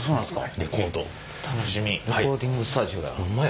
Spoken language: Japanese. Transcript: レコーディングスタジオや。